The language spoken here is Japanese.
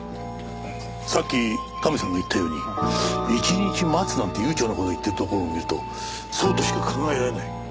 さっきカメさんが言ったように１日待つなんて悠長な事を言ってるところを見るとそうとしか考えられない。